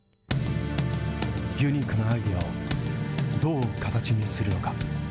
ユニークなアイデアをどう形にするのか。